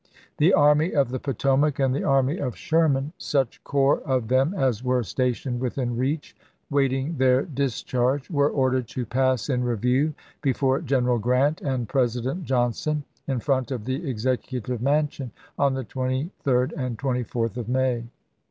The Army of the Potomac and the army of Sherman — such corps of them as were stationed within reach, waiting their discharge — were ordered to pass in review before General Grant and President Johnson, in front of the Executive Mansion, on the 23d and 24th of May.